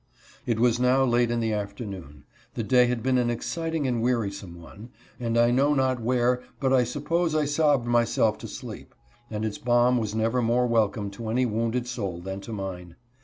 It was now late in the afternoon. The day had been an exciting and wearisome one, and I know not where, but I suppose I sobbed myself to sleep ; and its balm was never more welcome to any wounded soul than to mine.